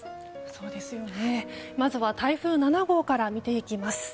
そうですよね、まずは台風７号から見ていきます。